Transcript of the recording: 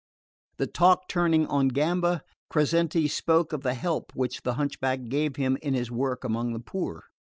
The talk turning on Gamba, Crescenti spoke of the help which the hunchback gave him in his work among the poor.